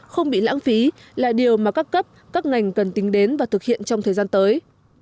không bị lãng phí là điều mà các cấp các ngành cần tính đến và thực hiện trong thời gian tới